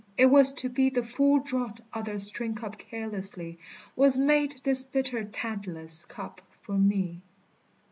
It was to be The full draught others drink up carelessly Was made this bitter Tantalus cup for me.